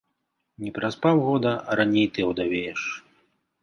Не праз паўгода, а раней ты аўдавееш.